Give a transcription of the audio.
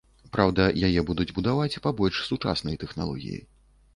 Праўда, яе будуць будаваць па больш сучаснай тэхналогіі.